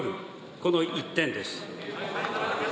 この１点です。